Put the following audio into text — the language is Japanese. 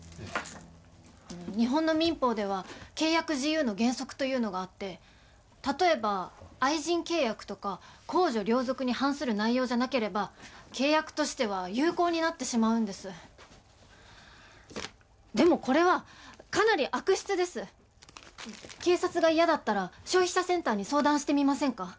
日本の民法では契約自由の原則というのがあって例えば愛人契約とか公序良俗に反する内容じゃなければ契約としては有効になってしまうんですでもこれはかなり悪質です警察が嫌だったら消費者センターに相談してみませんか？